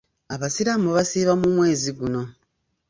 Abasiraamu basiiba mu mwezi guno.